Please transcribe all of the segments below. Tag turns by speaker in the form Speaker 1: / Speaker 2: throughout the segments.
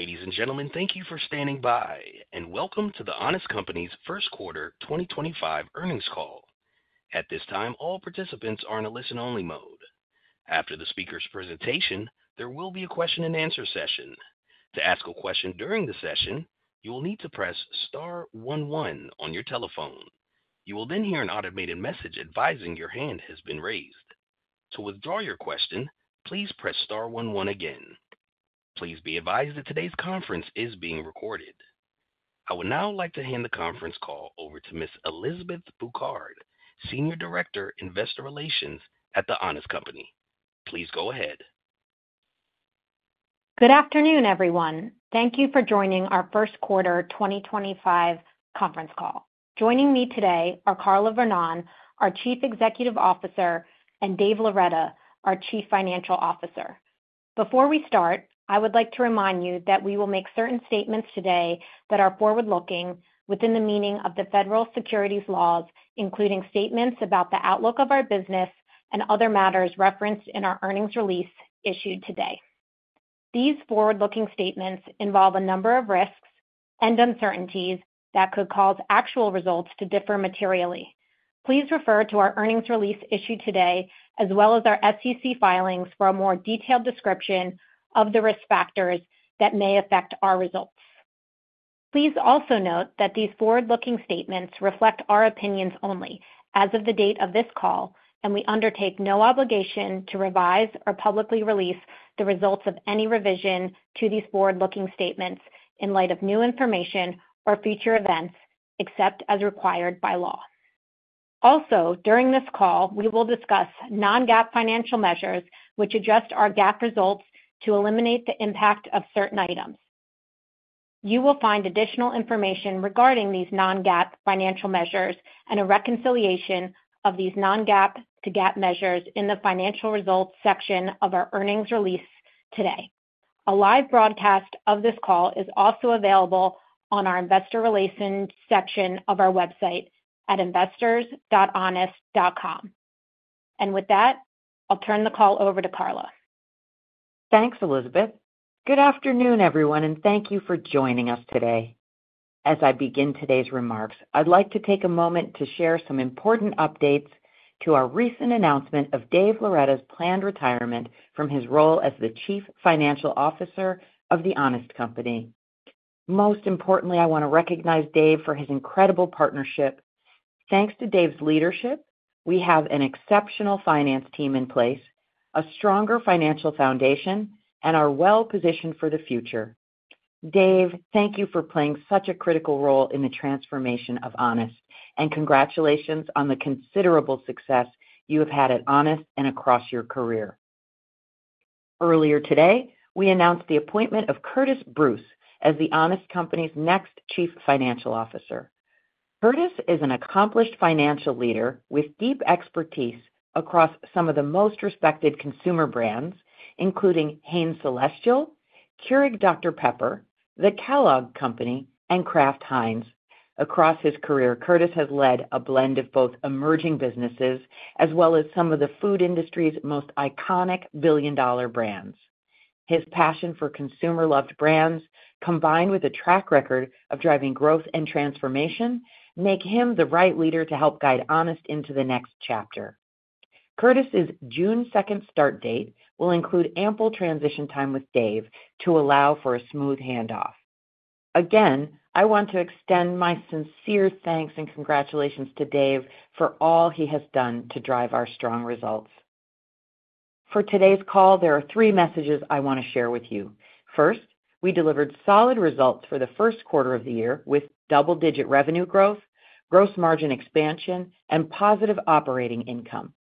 Speaker 1: Ladies and gentlemen, thank you for standing by, and welcome to the Honest Company's first quarter 2025 earnings call. At this time, all participants are in a listen-only mode. After the speaker's presentation, there will be a question-and-answer session. To ask a question during the session, you will need to press star 11 on your telephone. You will then hear an automated message advising your hand has been raised. To withdraw your question, please press star 11 again. Please be advised that today's conference is being recorded. I would now like to hand the conference call over to Ms. Elizabeth Bouchard, Senior Director, Investor Relations at the Honest Company. Please go ahead.
Speaker 2: Good afternoon, everyone. Thank you for joining our first quarter 2025 conference call. Joining me today are Carla Vernon, our Chief Executive Officer, and Dave Loretta, our Chief Financial Officer. Before we start, I would like to remind you that we will make certain statements today that are forward-looking within the meaning of the federal securities laws, including statements about the outlook of our business and other matters referenced in our earnings release issued today. These forward-looking statements involve a number of risks and uncertainties that could cause actual results to differ materially. Please refer to our earnings release issued today, as well as our SEC filings, for a more detailed description of the risk factors that may affect our results. Please also note that these forward-looking statements reflect our opinions only as of the date of this call, and we undertake no obligation to revise or publicly release the results of any revision to these forward-looking statements in light of new information or future events, except as required by law. Also, during this call, we will discuss non-GAAP financial measures, which adjust our GAAP results to eliminate the impact of certain items. You will find additional information regarding these non-GAAP financial measures and a reconciliation of these non-GAAP to GAAP measures in the financial results section of our earnings release today. A live broadcast of this call is also available on our investor relations section of our website at investors.honest.com. With that, I'll turn the call over to Carla.
Speaker 3: Thanks, Elizabeth. Good afternoon, everyone, and thank you for joining us today. As I begin today's remarks, I'd like to take a moment to share some important updates to our recent announcement of Dave Loretta's planned retirement from his role as the Chief Financial Officer of the Honest Company. Most importantly, I want to recognize Dave for his incredible partnership. Thanks to Dave's leadership, we have an exceptional finance team in place, a stronger financial foundation, and are well-positioned for the future. Dave, thank you for playing such a critical role in the transformation of Honest, and congratulations on the considerable success you have had at Honest and across your career. Earlier today, we announced the appointment of Curtiss Bruce as the Honest Company's next Chief Financial Officer. Curtiss is an accomplished financial leader with deep expertise across some of the most respected consumer brands, including Hain Celestial, Keurig Dr. Pepper, Pepper, the Kellogg Company, and Kraft Heinz. Across his career, Curtiss has led a blend of both emerging businesses as well as some of the food industry's most iconic billion-dollar brands. His passion for consumer-loved brands, combined with a track record of driving growth and transformation, make him the right leader to help guide Honest into the next chapter. Curtiss's June 2nd start date will include ample transition time with Dave to allow for a smooth handoff. Again, I want to extend my sincere thanks and congratulations to Dave for all he has done to drive our strong results. For today's call, there are three messages I want to share with you. First, we delivered solid results for the first quarter of the year with double-digit revenue growth, gross margin expansion, and positive operating income.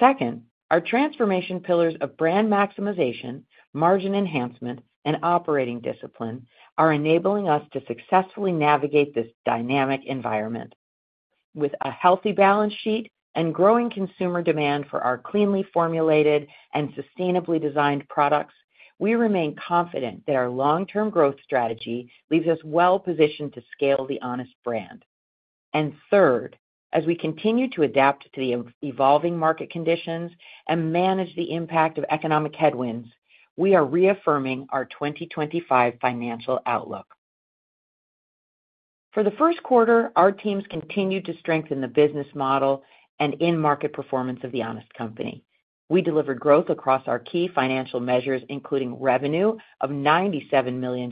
Speaker 3: Second, our transformation pillars of brand maximization, margin enhancement, and operating discipline are enabling us to successfully navigate this dynamic environment. With a healthy balance sheet and growing consumer demand for our cleanly formulated and sustainably designed products, we remain confident that our long-term growth strategy leaves us well-positioned to scale the Honest brand. Third, as we continue to adapt to the evolving market conditions and manage the impact of economic headwinds, we are reaffirming our 2025 financial outlook. For the first quarter, our teams continued to strengthen the business model and in-market performance of the Honest Company. We delivered growth across our key financial measures, including revenue of $97 million,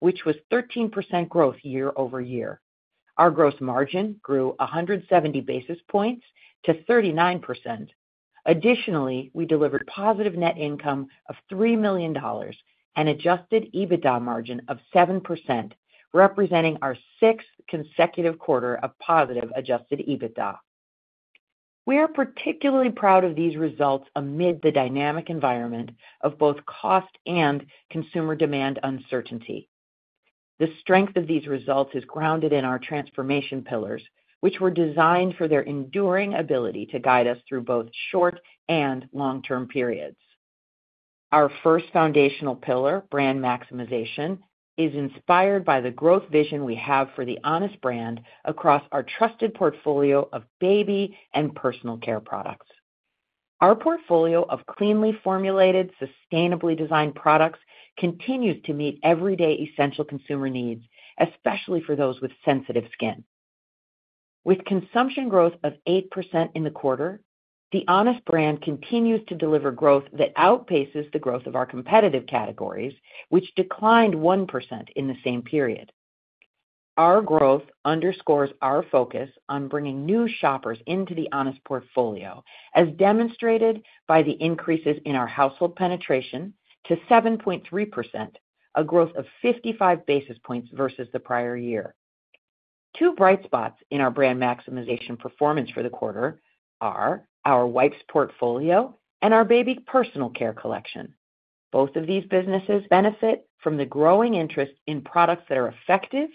Speaker 3: which was 13% growth year over year. Our gross margin grew 170 basis points to 39%. Additionally, we delivered positive net income of $3 million and adjusted EBITDA margin of 7%, representing our sixth consecutive quarter of positive adjusted EBITDA. We are particularly proud of these results amid the dynamic environment of both cost and consumer demand uncertainty. The strength of these results is grounded in our transformation pillars, which were designed for their enduring ability to guide us through both short and long-term periods. Our first foundational pillar, brand maximization, is inspired by the growth vision we have for the Honest brand across our trusted portfolio of baby and personal care products. Our portfolio of cleanly formulated, sustainably designed products continues to meet everyday essential consumer needs, especially for those with sensitive skin. With consumption growth of 8% in the quarter, the Honest brand continues to deliver growth that outpaces the growth of our competitive categories, which declined 1% in the same period. Our growth underscores our focus on bringing new shoppers into the Honest portfolio, as demonstrated by the increases in our household penetration to 7.3%, a growth of 55 basis points versus the prior year. Two bright spots in our brand maximization performance for the quarter are our wipes portfolio and our baby personal care collection. Both of these businesses benefit from the growing interest in products that are effective,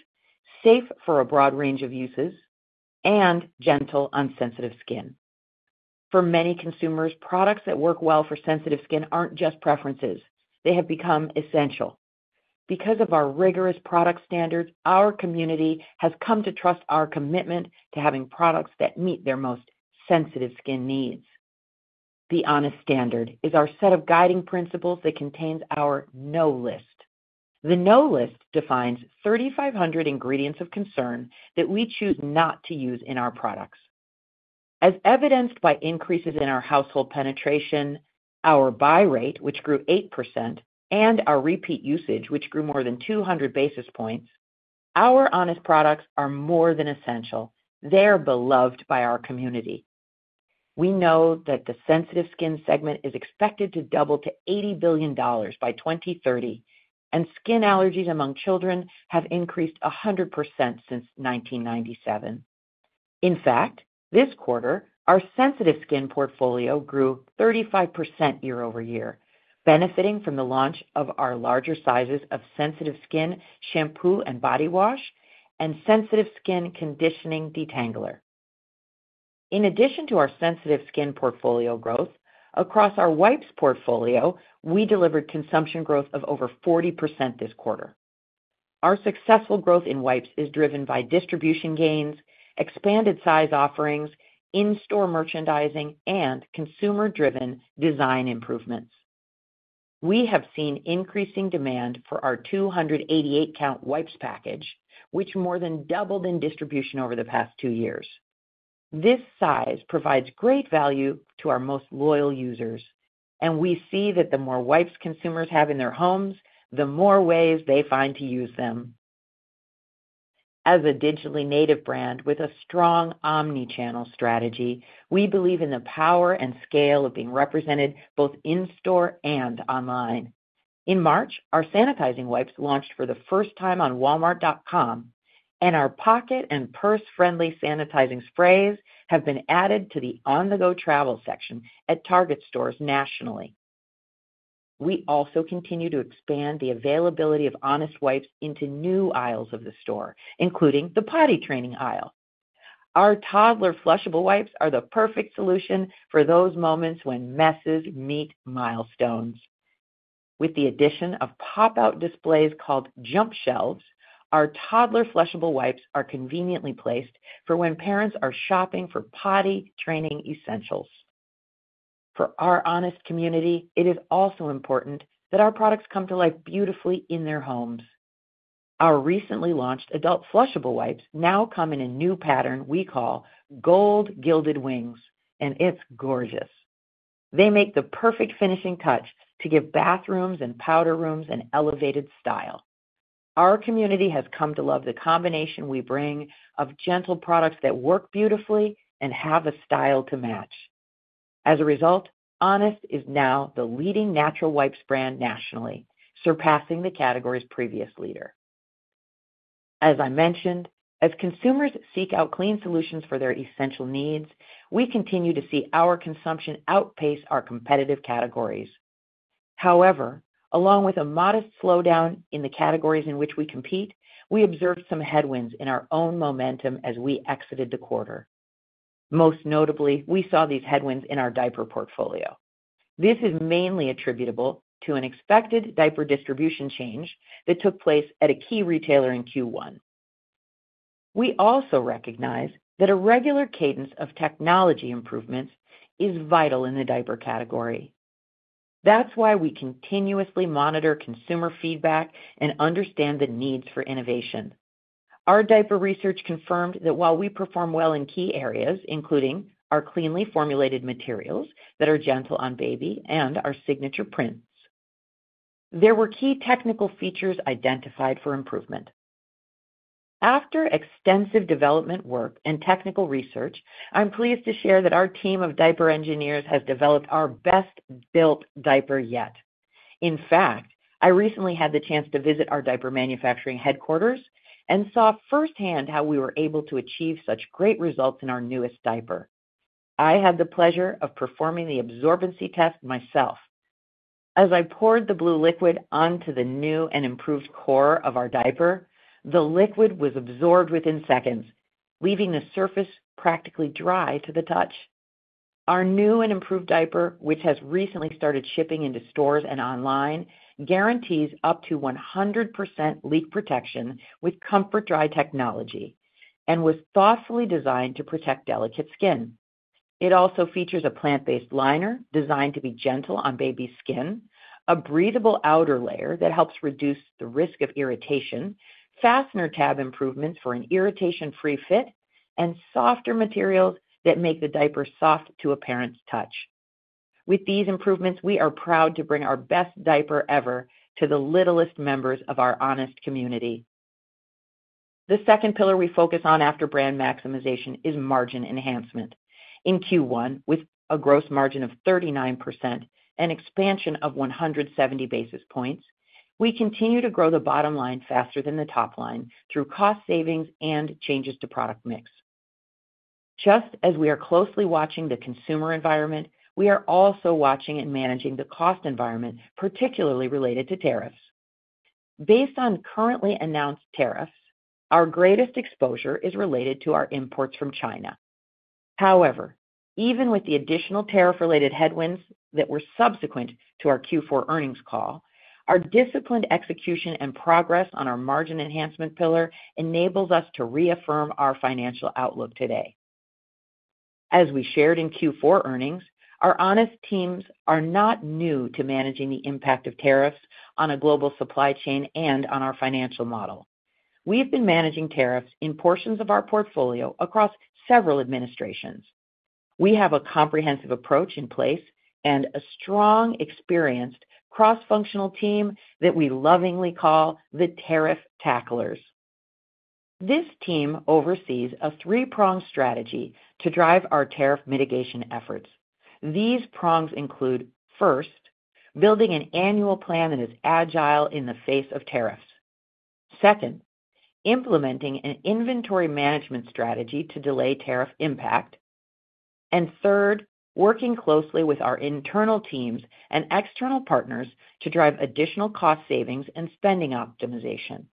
Speaker 3: safe for a broad range of uses, and gentle on sensitive skin. For many consumers, products that work well for sensitive skin are not just preferences; they have become essential. Because of our rigorous product standards, our community has come to trust our commitment to having products that meet their most sensitive skin needs. The Honest standard is our set of guiding principles that contains our no list. The no list defines 3,500 ingredients of concern that we choose not to use in our products. As evidenced by increases in our household penetration, our buy rate, which grew 8%, and our repeat usage, which grew more than 200 basis points, our Honest products are more than essential; they are beloved by our community. We know that the sensitive skin segment is expected to double to $80 billion by 2030, and skin allergies among children have increased 100% since 1997. In fact, this quarter, our sensitive skin portfolio grew 35% year over year, benefiting from the launch of our larger sizes of sensitive skin shampoo and body wash and sensitive skin conditioning detangler. In addition to our sensitive skin portfolio growth, across our wipes portfolio, we delivered consumption growth of over 40% this quarter. Our successful growth in wipes is driven by distribution gains, expanded size offerings, in-store merchandising, and consumer-driven design improvements. We have seen increasing demand for our 288-count wipes package, which more than doubled in distribution over the past two years. This size provides great value to our most loyal users, and we see that the more wipes consumers have in their homes, the more ways they find to use them. As a digitally native brand with a strong omnichannel strategy, we believe in the power and scale of being represented both in-store and online. In March, our sanitizing wipes launched for the first time on Walmart.com, and our pocket and purse-friendly sanitizing sprays have been added to the on-the-go travel section at Target stores nationally. We also continue to expand the availability of Honest wipes into new aisles of the store, including the potty training aisle. Our toddler flushable wipes are the perfect solution for those moments when messes meet milestones. With the addition of pop-out displays called jump shelves, our toddler flushable wipes are conveniently placed for when parents are shopping for potty training essentials. For our Honest community, it is also important that our products come to life beautifully in their homes. Our recently launched adult flushable wipes now come in a new pattern we call gold gilded wings, and it's gorgeous. They make the perfect finishing touch to give bathrooms and powder rooms an elevated style. Our community has come to love the combination we bring of gentle products that work beautifully and have a style to match. As a result, Honest is now the leading natural wipes brand nationally, surpassing the category's previous leader. As I mentioned, as consumers seek out clean solutions for their essential needs, we continue to see our consumption outpace our competitive categories. However, along with a modest slowdown in the categories in which we compete, we observed some headwinds in our own momentum as we exited the quarter. Most notably, we saw these headwinds in our diaper portfolio. This is mainly attributable to an expected diaper distribution change that took place at a key retailer in Q1. We also recognize that a regular cadence of technology improvements is vital in the diaper category. That's why we continuously monitor consumer feedback and understand the needs for innovation. Our diaper research confirmed that while we perform well in key areas, including our cleanly formulated materials that are gentle on baby and our signature prints, there were key technical features identified for improvement. After extensive development work and technical research, I'm pleased to share that our team of diaper engineers has developed our best-built diaper yet. In fact, I recently had the chance to visit our diaper manufacturing headquarters and saw firsthand how we were able to achieve such great results in our newest diaper. I had the pleasure of performing the absorbency test myself. As I poured the blue liquid onto the new and improved core of our diaper, the liquid was absorbed within seconds, leaving the surface practically dry to the touch. Our new and improved diaper, which has recently started shipping into stores and online, guarantees up to 100% leak protection with comfort dry technology and was thoughtfully designed to protect delicate skin. It also features a plant-based liner designed to be gentle on baby's skin, a breathable outer layer that helps reduce the risk of irritation, fastener tab improvements for an irritation-free fit, and softer materials that make the diaper soft to a parent's touch. With these improvements, we are proud to bring our best diaper ever to the littlest members of our Honest community. The second pillar we focus on after brand maximization is margin enhancement. In Q1, with a gross margin of 39% and expansion of 170 basis points, we continue to grow the bottom line faster than the top line through cost savings and changes to product mix. Just as we are closely watching the consumer environment, we are also watching and managing the cost environment, particularly related to tariffs. Based on currently announced tariffs, our greatest exposure is related to our imports from China. However, even with the additional tariff-related headwinds that were subsequent to our Q4 earnings call, our disciplined execution and progress on our margin enhancement pillar enables us to reaffirm our financial outlook today. As we shared in Q4 earnings, our Honest teams are not new to managing the impact of tariffs on a global supply chain and on our financial model. We have been managing tariffs in portions of our portfolio across several administrations. We have a comprehensive approach in place and a strong, experienced cross-functional team that we lovingly call the Tariff Tacklers. This team oversees a three-pronged strategy to drive our tariff mitigation efforts. These prongs include, first, building an annual plan that is agile in the face of tariffs. Second, implementing an inventory management strategy to delay tariff impact. Third, working closely with our internal teams and external partners to drive additional cost savings and spending optimization.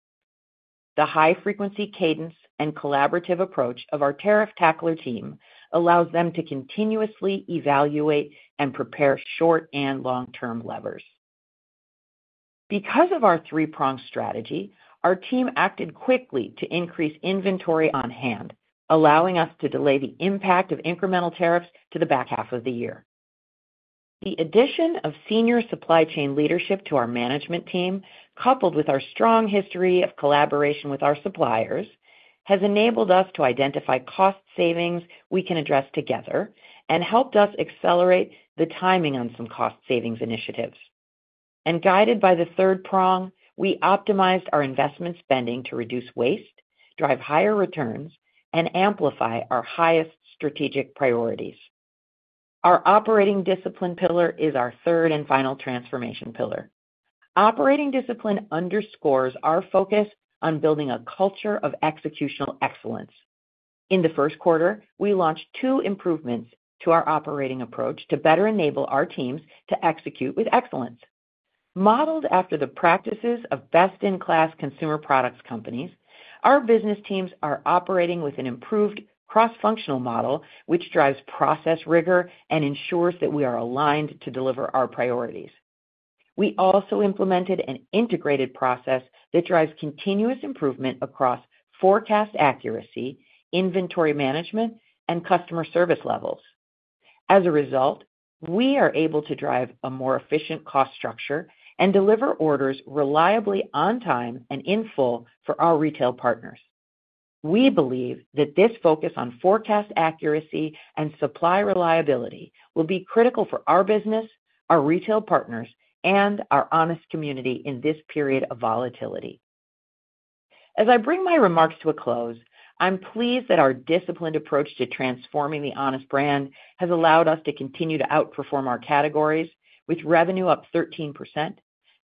Speaker 3: The high-frequency cadence and collaborative approach of our Tariff Tackler team allows them to continuously evaluate and prepare short and long-term levers. Because of our three-pronged strategy, our team acted quickly to increase inventory on hand, allowing us to delay the impact of incremental tariffs to the back half of the year. The addition of senior supply chain leadership to our management team, coupled with our strong history of collaboration with our suppliers, has enabled us to identify cost savings we can address together and helped us accelerate the timing on some cost savings initiatives. Guided by the third prong, we optimized our investment spending to reduce waste, drive higher returns, and amplify our highest strategic priorities. Our operating discipline pillar is our third and final transformation pillar. Operating discipline underscores our focus on building a culture of executional excellence. In the first quarter, we launched two improvements to our operating approach to better enable our teams to execute with excellence. Modeled after the practices of best-in-class consumer products companies, our business teams are operating with an improved cross-functional model, which drives process rigor and ensures that we are aligned to deliver our priorities. We also implemented an integrated process that drives continuous improvement across forecast accuracy, inventory management, and customer service levels. As a result, we are able to drive a more efficient cost structure and deliver orders reliably on time and in full for our retail partners. We believe that this focus on forecast accuracy and supply reliability will be critical for our business, our retail partners, and our Honest community in this period of volatility. As I bring my remarks to a close, I'm pleased that our disciplined approach to transforming the Honest brand has allowed us to continue to outperform our categories, with revenue up 13%,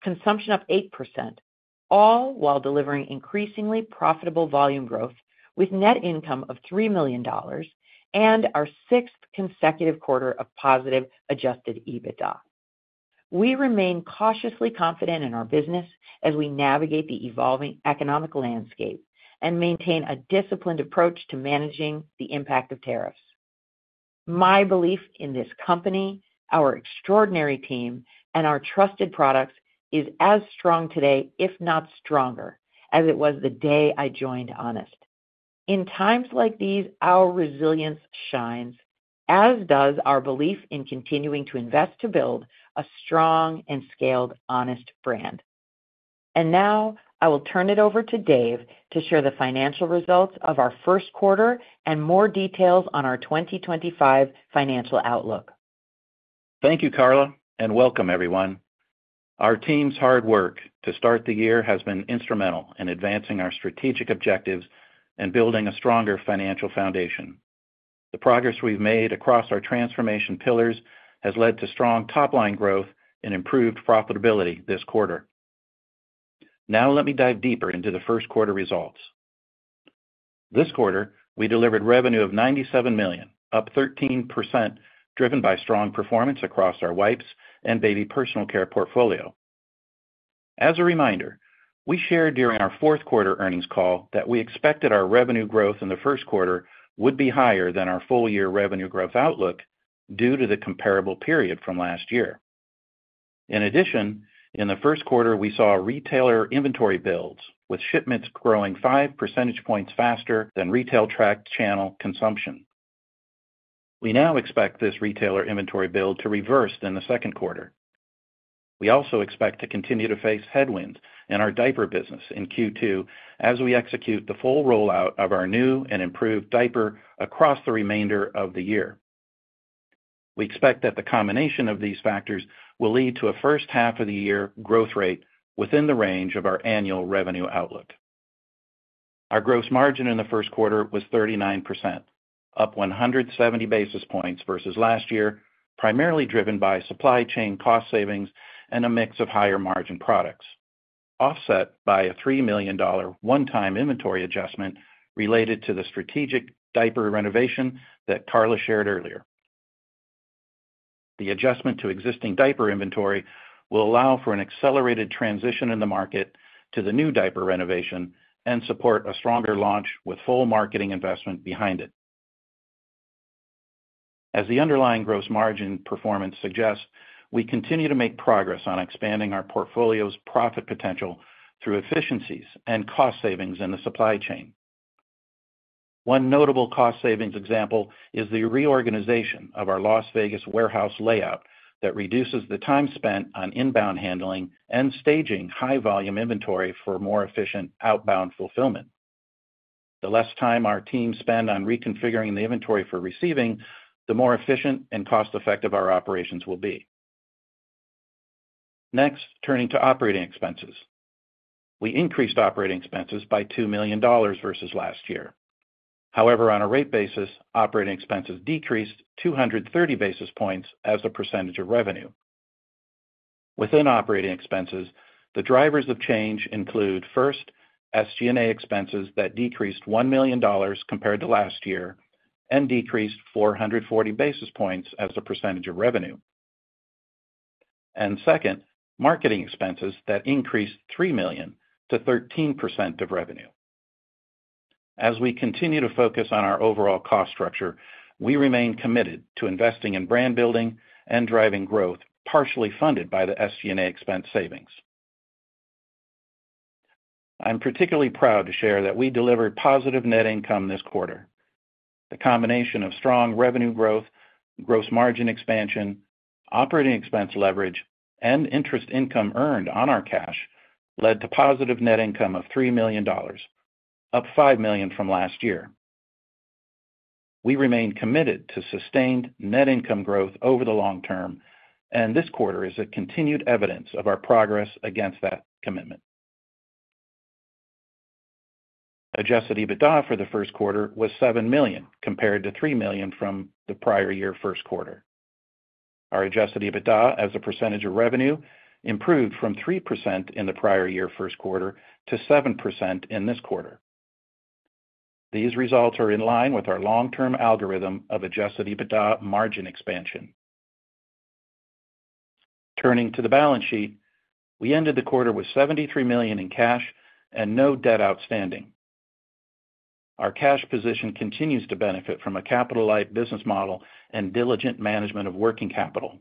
Speaker 3: consumption up 8%, all while delivering increasingly profitable volume growth with net income of $3 million and our sixth consecutive quarter of positive adjusted EBITDA. We remain cautiously confident in our business as we navigate the evolving economic landscape and maintain a disciplined approach to managing the impact of tariffs. My belief in this company, our extraordinary team, and our trusted products is as strong today, if not stronger, as it was the day I joined Honest. In times like these, our resilience shines, as does our belief in continuing to invest to build a strong and scaled Honest brand. I will turn it over to Dave to share the financial results of our first quarter and more details on our 2025 financial outlook.
Speaker 4: Thank you, Carla, and welcome, everyone. Our team's hard work to start the year has been instrumental in advancing our strategic objectives and building a stronger financial foundation. The progress we have made across our transformation pillars has led to strong top-line growth and improved profitability this quarter. Now, let me dive deeper into the first quarter results. This quarter, we delivered revenue of $97 million, up 13%, driven by strong performance across our wipes and baby personal care portfolio. As a reminder, we shared during our fourth quarter earnings call that we expected our revenue growth in the first quarter would be higher than our full-year revenue growth outlook due to the comparable period from last year. In addition, in the first quarter, we saw retailer inventory builds, with shipments growing five percentage points faster than retail track channel consumption. We now expect this retailer inventory build to reverse in the second quarter. We also expect to continue to face headwinds in our diaper business in Q2 as we execute the full rollout of our new and improved diaper across the remainder of the year. We expect that the combination of these factors will lead to a first half of the year growth rate within the range of our annual revenue outlook. Our gross margin in the first quarter was 39%, up 170 basis points versus last year, primarily driven by supply chain cost savings and a mix of higher margin products, offset by a $3 million one-time inventory adjustment related to the strategic diaper renovation that Carla shared earlier. The adjustment to existing diaper inventory will allow for an accelerated transition in the market to the new diaper renovation and support a stronger launch with full marketing investment behind it. As the underlying gross margin performance suggests, we continue to make progress on expanding our portfolio's profit potential through efficiencies and cost savings in the supply chain. One notable cost savings example is the reorganization of our Las Vegas warehouse layout that reduces the time spent on inbound handling and staging high-volume inventory for more efficient outbound fulfillment. The less time our teams spend on reconfiguring the inventory for receiving, the more efficient and cost-effective our operations will be. Next, turning to operating expenses, we increased operating expenses by $2 million versus last year. However, on a rate basis, operating expenses decreased 230 basis points as a percentage of revenue. Within operating expenses, the drivers of change include first, SG&A expenses that decreased $1 million compared to last year and decreased 440 basis points as a percentage of revenue. Second, marketing expenses that increased $3 million to 13% of revenue. As we continue to focus on our overall cost structure, we remain committed to investing in brand building and driving growth partially funded by the SG&A expense savings. I'm particularly proud to share that we delivered positive net income this quarter. The combination of strong revenue growth, gross margin expansion, operating expense leverage, and interest income earned on our cash led to positive net income of $3 million, up $5 million from last year. We remain committed to sustained net income growth over the long term, and this quarter is a continued evidence of our progress against that commitment. Adjusted EBITDA for the first quarter was $7 million compared to $3 million from the prior year first quarter. Our adjusted EBITDA as a percentage of revenue improved from 3% in the prior year first quarter to 7% in this quarter. These results are in line with our long-term algorithm of adjusted EBITDA margin expansion. Turning to the balance sheet, we ended the quarter with $73 million in cash and no debt outstanding. Our cash position continues to benefit from a capital-light business model and diligent management of working capital.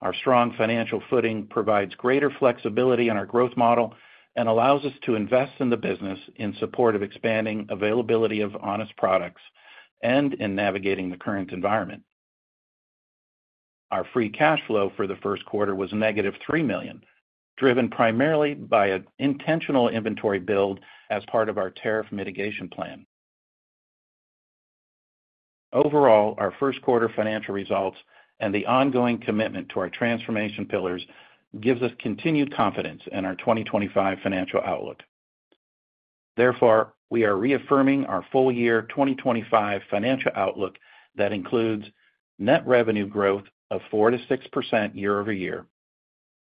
Speaker 4: Our strong financial footing provides greater flexibility in our growth model and allows us to invest in the business in support of expanding availability of Honest products and in navigating the current environment. Our free cash flow for the first quarter was negative $3 million, driven primarily by an intentional inventory build as part of our tariff mitigation plan. Overall, our first quarter financial results and the ongoing commitment to our transformation pillars gives us continued confidence in our 2025 financial outlook. Therefore, we are reaffirming our full-year 2025 financial outlook that includes net revenue growth of 4-6% year over year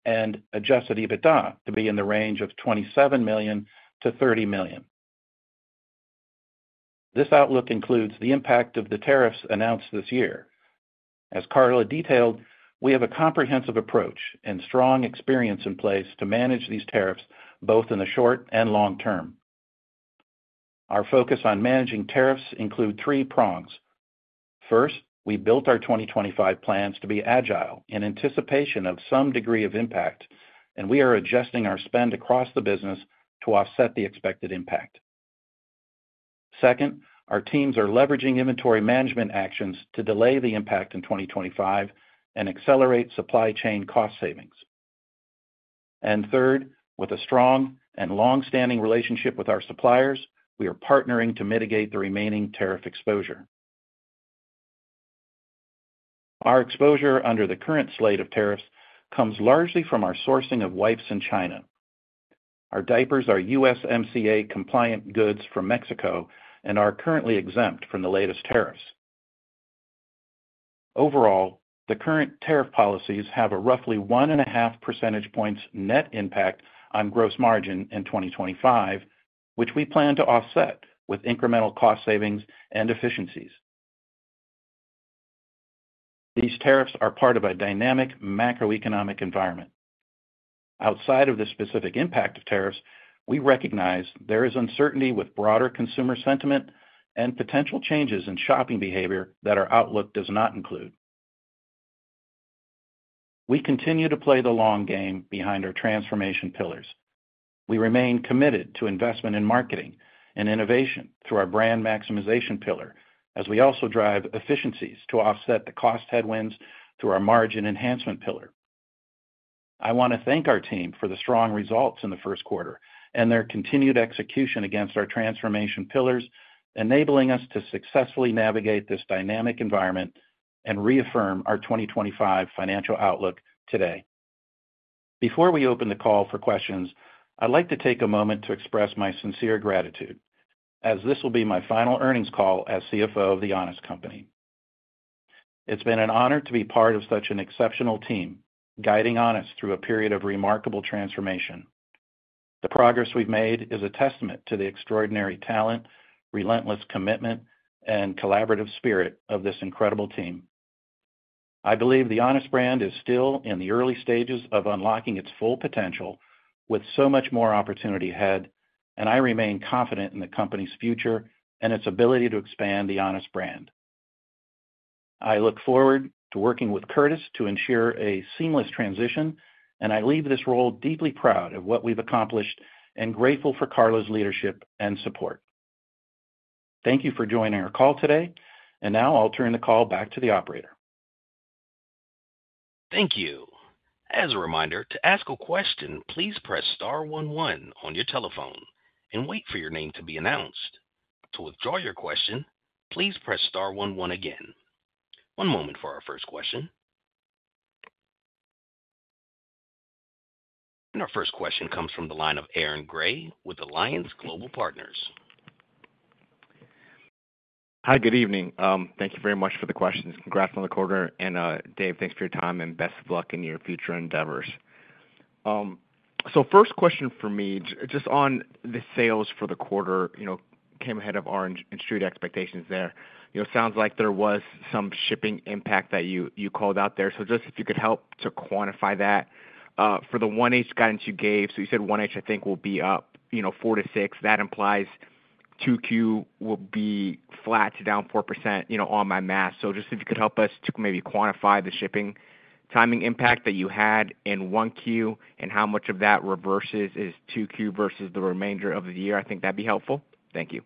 Speaker 4: and adjusted EBITDA to be in the range of $27 million-$30 million. This outlook includes the impact of the tariffs announced this year. As Carla detailed, we have a comprehensive approach and strong experience in place to manage these tariffs both in the short and long term. Our focus on managing tariffs includes three prongs. First, we built our 2025 plans to be agile in anticipation of some degree of impact, and we are adjusting our spend across the business to offset the expected impact. Second, our teams are leveraging inventory management actions to delay the impact in 2025 and accelerate supply chain cost savings. Third, with a strong and long-standing relationship with our suppliers, we are partnering to mitigate the remaining tariff exposure. Our exposure under the current slate of tariffs comes largely from our sourcing of wipes in China. Our diapers are USMCA-compliant goods from Mexico and are currently exempt from the latest tariffs. Overall, the current tariff policies have a roughly one and a half percentage points net impact on gross margin in 2025, which we plan to offset with incremental cost savings and efficiencies. These tariffs are part of a dynamic macroeconomic environment. Outside of the specific impact of tariffs, we recognize there is uncertainty with broader consumer sentiment and potential changes in shopping behavior that our outlook does not include. We continue to play the long game behind our transformation pillars. We remain committed to investment in marketing and innovation through our brand maximization pillar, as we also drive efficiencies to offset the cost headwinds through our margin enhancement pillar. I want to thank our team for the strong results in the first quarter and their continued execution against our transformation pillars, enabling us to successfully navigate this dynamic environment and reaffirm our 2025 financial outlook today. Before we open the call for questions, I'd like to take a moment to express my sincere gratitude, as this will be my final earnings call as CFO of the Honest Company. It's been an honor to be part of such an exceptional team, guiding Honest through a period of remarkable transformation. The progress we've made is a testament to the extraordinary talent, relentless commitment, and collaborative spirit of this incredible team. I believe the Honest brand is still in the early stages of unlocking its full potential, with so much more opportunity ahead, and I remain confident in the company's future and its ability to expand the Honest brand. I look forward to working with Curtiss to ensure a seamless transition, and I leave this role deeply proud of what we've accomplished and grateful for Carla's leadership and support. Thank you for joining our call today, and now I'll turn the call back to the operator.
Speaker 1: Thank you. As a reminder, to ask a question, please press star one one on your telephone and wait for your name to be announced. To withdraw your question, please press star one one again. One moment for our first question. Our first question comes from the line of Aaron Gray with Alliance Global Partners.
Speaker 5: Hi, good evening. Thank you very much for the questions. Congrats on the quarter. Dave, thanks for your time and best of luck in your future endeavors. First question for me, just on the sales for the quarter, came ahead of our instructed expectations there. It sounds like there was some shipping impact that you called out there. If you could help to quantify that. For the 1H guidance you gave, so you said 1H, I think, will be up 4-6%. That implies 2Q will be flat to down 4% on my math. Just if you could help us to maybe quantify the shipping timing impact that you had in 1Q and how much of that reverses in 2Q versus the remainder of the year, I think that would be helpful. Thank you.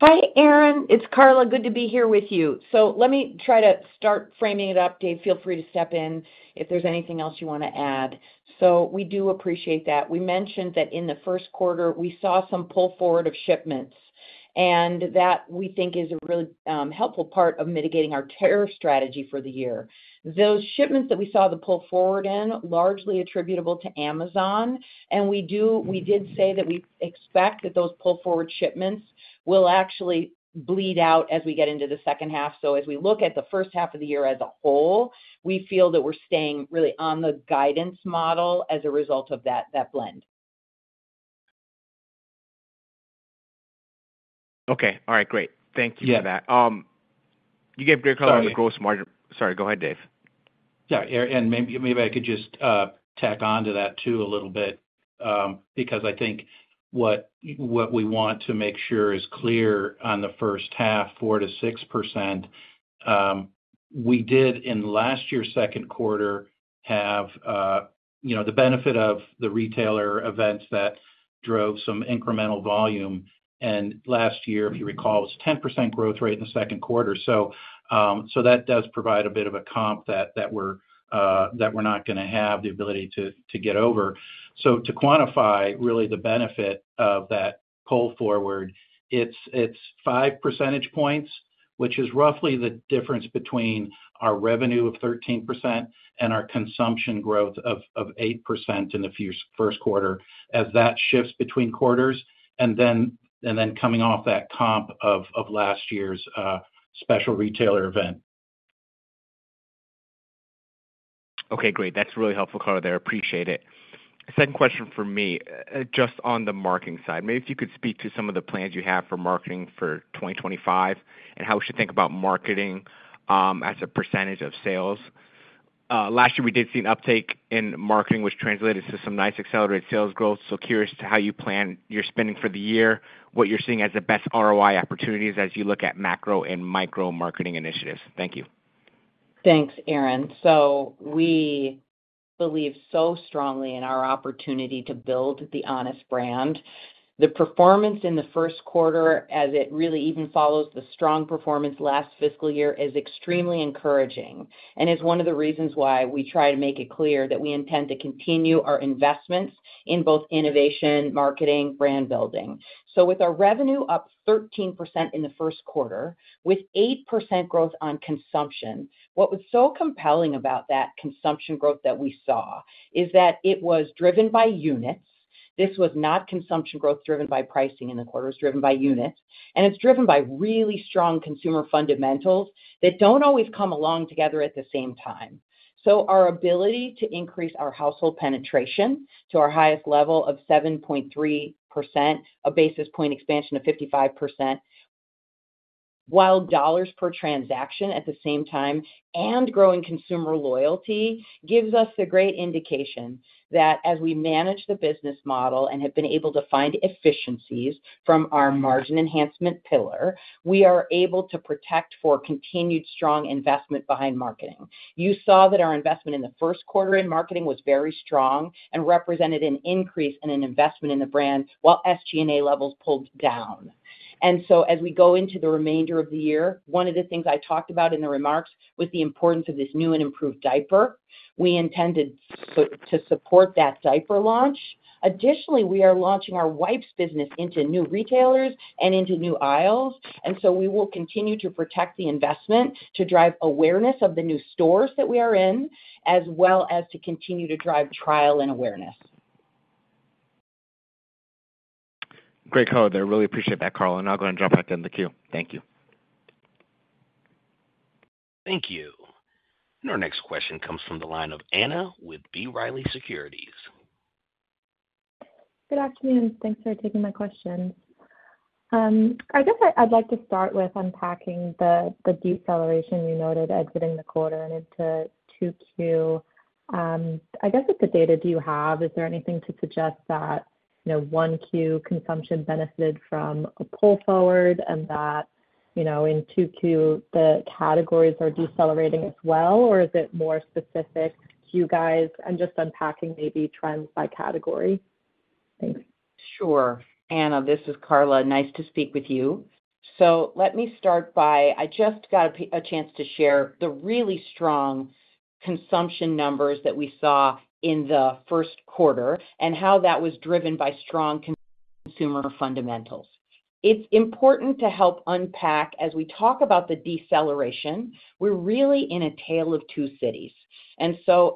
Speaker 3: Hi, Aaron. It's Carla. Good to be here with you. Let me try to start framing it up. Dave, feel free to step in if there's anything else you want to add. We do appreciate that. We mentioned that in the first quarter, we saw some pull forward of shipments, and that we think is a really helpful part of mitigating our tariff strategy for the year. Those shipments that we saw the pull forward in are largely attributable to Amazon. We did say that we expect that those pull forward shipments will actually bleed out as we get into the second half. As we look at the first half of the year as a whole, we feel that we're staying really on the guidance model as a result of that blend.
Speaker 5: Okay. All right. Great. Thank you for that. You gave great color on the gross margin. Sorry. Go ahead, Dave.
Speaker 4: Yeah. Maybe I could just tack on to that too a little bit because I think what we want to make sure is clear on the first half, 4-6%. We did in last year's second quarter have the benefit of the retailer events that drove some incremental volume. Last year, if you recall, it was a 10% growth rate in the second quarter. That does provide a bit of a comp that we're not going to have the ability to get over. To quantify really the benefit of that pull forward, it's 5 percentage points, which is roughly the difference between our revenue of 13% and our consumption growth of 8% in the first quarter as that shifts between quarters, and then coming off that comp of last year's special retailer event.
Speaker 5: Okay. Great. That's really helpful, Carla. I appreciate it. Second question for me, just on the marketing side, maybe if you could speak to some of the plans you have for marketing for 2025 and how we should think about marketing as a percentage of sales. Last year, we did see an uptake in marketing, which translated to some nice accelerated sales growth. Curious to how you plan your spending for the year, what you're seeing as the best ROI opportunities as you look at macro and micro marketing initiatives. Thank you.
Speaker 3: Thanks, Aaron. We believe so strongly in our opportunity to build the Honest brand. The performance in the first quarter, as it really even follows the strong performance last fiscal year, is extremely encouraging and is one of the reasons why we try to make it clear that we intend to continue our investments in both innovation, marketing, and brand building. With our revenue up 13% in the first quarter, with 8% growth on consumption, what was so compelling about that consumption growth that we saw is that it was driven by units. This was not consumption growth driven by pricing in the quarter. It was driven by units. It is driven by really strong consumer fundamentals that do not always come along together at the same time. Our ability to increase our household penetration to our highest level of 7.3%, a basis point expansion of 55%, while dollars per transaction at the same time and growing consumer loyalty gives us the great indication that as we manage the business model and have been able to find efficiencies from our margin enhancement pillar, we are able to protect for continued strong investment behind marketing. You saw that our investment in the first quarter in marketing was very strong and represented an increase in investment in the brand while SG&A levels pulled down. As we go into the remainder of the year, one of the things I talked about in the remarks was the importance of this new and improved diaper. We intended to support that diaper launch. Additionally, we are launching our wipes business into new retailers and into new aisles. We will continue to protect the investment to drive awareness of the new stores that we are in, as well as to continue to drive trial and awareness.
Speaker 5: Great color there. Really appreciate that, Carla. I'll go ahead and drop back in the queue. Thank you.
Speaker 1: Thank you. Our next question comes from the line of Anna with B. Riley Securities.
Speaker 6: Good afternoon. Thanks for taking my questions. I guess I'd like to start with unpacking the deceleration you noted exiting the quarter and into 2Q. I guess with the data you have, is there anything to suggest that 1Q consumption benefited from a pull forward and that in 2Q, the categories are decelerating as well? Is it more specific to you guys? I'm just unpacking maybe trends by category. Thanks.
Speaker 3: Sure. Anna, this is Carla. Nice to speak with you. Let me start by I just got a chance to share the really strong consumption numbers that we saw in the first quarter and how that was driven by strong consumer fundamentals. It's important to help unpack as we talk about the deceleration. We're really in a tale of two cities.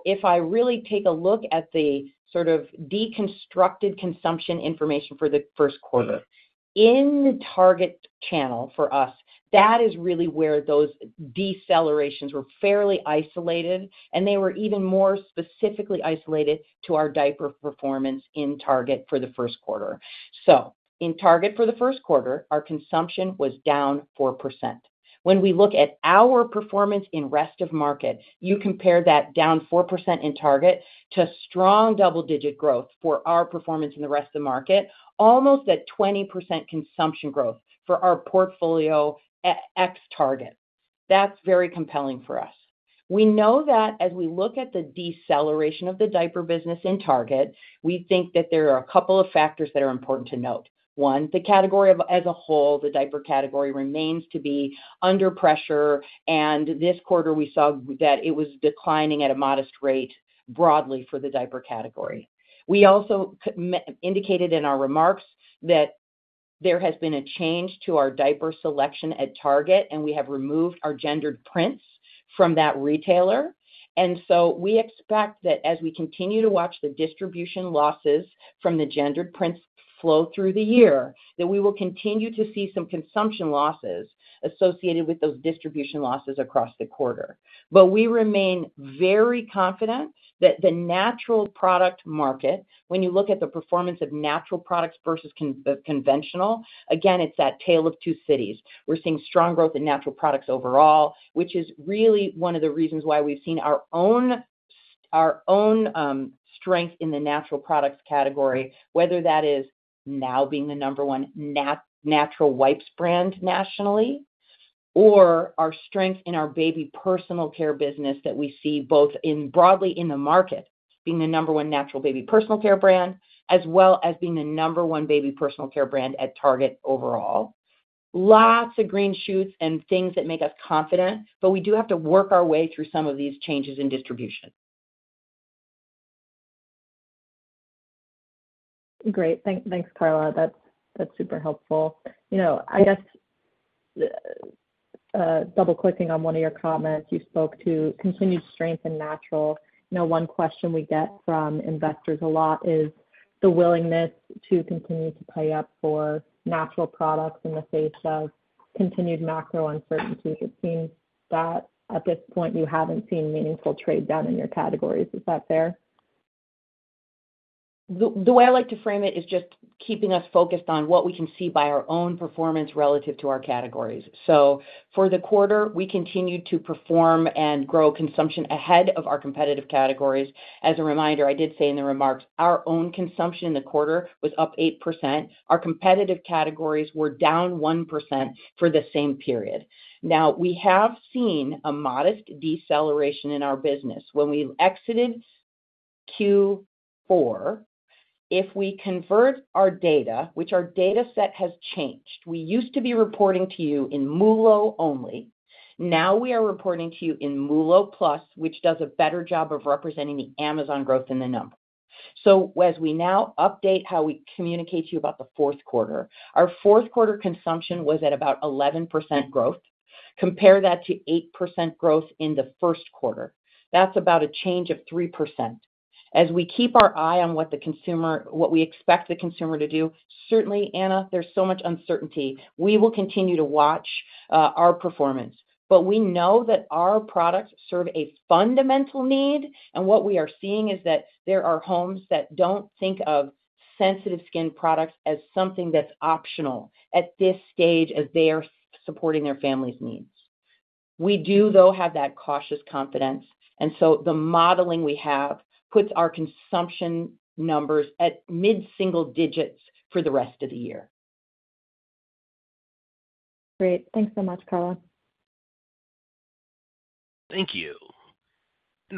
Speaker 3: If I really take a look at the sort of deconstructed consumption information for the first quarter, in the Target channel for us, that is really where those decelerations were fairly isolated, and they were even more specifically isolated to our diaper performance in Target for the first quarter. In Target for the first quarter, our consumption was down 4%. When we look at our performance in rest of market, you compare that down 4% in Target to strong double-digit growth for our performance in the rest of the market, almost at 20% consumption growth for our portfolio at ex-Target. That's very compelling for us. We know that as we look at the deceleration of the diaper business in Target, we think that there are a couple of factors that are important to note. One, the category as a whole, the diaper category remains to be under pressure, and this quarter we saw that it was declining at a modest rate broadly for the diaper category. We also indicated in our remarks that there has been a change to our diaper selection at Target, and we have removed our gendered prints from that retailer. We expect that as we continue to watch the distribution losses from the gendered prints flow through the year, we will continue to see some consumption losses associated with those distribution losses across the quarter. We remain very confident that the natural product market, when you look at the performance of natural products versus conventional, again, it's that tale of two cities. We're seeing strong growth in natural products overall, which is really one of the reasons why we've seen our own strength in the natural products category, whether that is now being the number one natural wipes brand nationally or our strength in our baby personal care business that we see both broadly in the market being the number one natural baby personal care brand, as well as being the number one baby personal care brand at Target overall. Lots of green shoots and things that make us confident, but we do have to work our way through some of these changes in distribution.
Speaker 6: Great. Thanks, Carla. That's super helpful. I guess double-clicking on one of your comments, you spoke to continued strength in natural. One question we get from investors a lot is the willingness to continue to pay up for natural products in the face of continued macro uncertainty. It seems that at this point, you haven't seen meaningful trade down in your categories. Is that fair?
Speaker 3: The way I like to frame it is just keeping us focused on what we can see by our own performance relative to our categories. For the quarter, we continued to perform and grow consumption ahead of our competitive categories. As a reminder, I did say in the remarks, our own consumption in the quarter was up 8%. Our competitive categories were down 1% for the same period. Now, we have seen a modest deceleration in our business. When we exited Q4, if we convert our data, which our data set has changed, we used to be reporting to you in Moulot only. Now we are reporting to you in Moulot Plus, which does a better job of representing the Amazon growth in the number. As we now update how we communicate to you about the fourth quarter, our fourth quarter consumption was at about 11% growth. Compare that to 8% growth in the first quarter. That is about a change of 3%. As we keep our eye on what we expect the consumer to do, certainly, Anna, there is so much uncertainty. We will continue to watch our performance. We know that our products serve a fundamental need. What we are seeing is that there are homes that do not think of sensitive skin products as something that is optional at this stage as they are supporting their family's needs. We do, though, have that cautious confidence. The modeling we have puts our consumption numbers at mid-single digits for the rest of the year.
Speaker 6: Great. Thanks so much, Carla.
Speaker 1: Thank you.